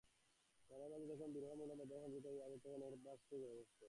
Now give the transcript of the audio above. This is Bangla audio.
মনের মধ্যে যখন বিরহমিলনের বেদনা সঞ্চিত হইয়া আছে, তখন একটু আভাসই যথেষ্ট।